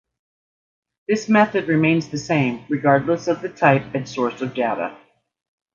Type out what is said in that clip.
This method remains the same regardless of the type and source of data.